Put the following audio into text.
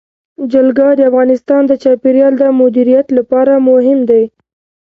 جلګه د افغانستان د چاپیریال د مدیریت لپاره مهم دي.